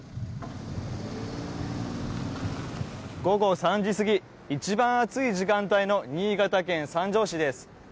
午後３時過ぎ一番暑い時間帯の新潟県三条市です。